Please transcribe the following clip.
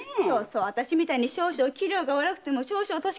そうそう私みたいに少々器量が悪くても！